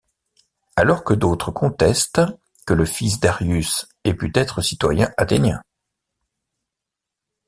Alors que d'autres contestent que le fils d'Arius ait pu être citoyen Athénien.